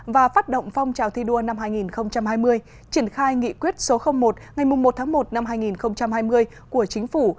và phát động phong trào thi đua năm hai nghìn hai mươi triển khai nghị quyết số một ngày một tháng một năm hai nghìn hai mươi của chính phủ